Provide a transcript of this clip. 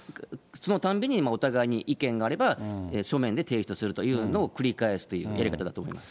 そのたんびに、お互いに意見があれば、書面で提出するというのを繰り返すというやり方だと思います。